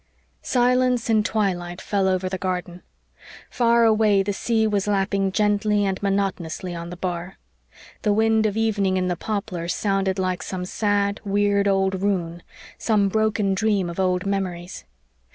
Silence and twilight fell over the garden. Far away the sea was lapping gently and monotonously on the bar. The wind of evening in the poplars sounded like some sad, weird, old rune some broken dream of old memories.